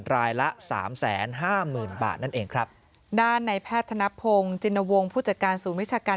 รายละสามแสนห้าหมื่นบาทนั่นเองครับด้านในแพทย์ธนพงศ์จินวงศ์ผู้จัดการศูนย์วิชาการ